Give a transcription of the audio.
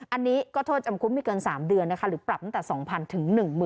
อันนี้ก็โทษจำคุกไม่เกิน๓เดือนนะคะหรือปรับตั้งแต่๒๐๐ถึง๑๐๐๐